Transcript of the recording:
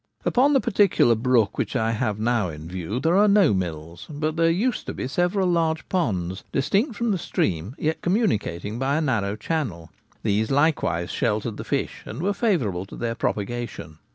Upon the particular brook which I have now in view there are no mills ; but there used to be several large ponds — distinct from the stream, yet communi cating by a narrow channel. These likewise sheltered the fish, and were favourable to their propagation.